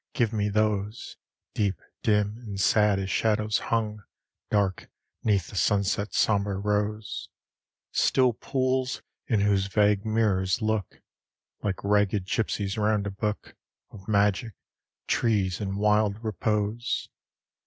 give me those, Deep, dim, and sad as shadows hung Dark 'neath the sunset's sombre rose: Still pools, in whose vague mirrors look Like ragged gipsies round a book Of magic trees in wild repose.